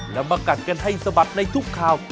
แล้วมากัดกันให้สะบัดในทุกข่าว